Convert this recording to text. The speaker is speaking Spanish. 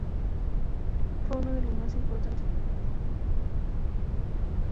Fue uno de los más importantes poetas del periodo almorávide.